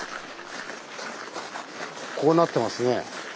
こうなってますね。